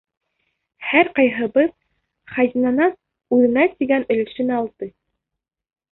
Һәр ҡайһыбыҙ хазинанан үҙенә тейгән өлөшөн алды.